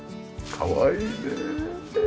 かわいいねえ。